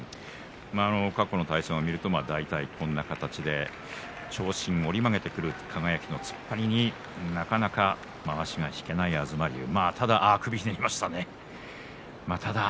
過去の対戦を見ると大体こんな形で長身を折り曲げて輝の突っ張りになかなかまわしが引けない東龍首をひねりましたね。